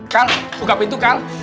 kal buka pintu kal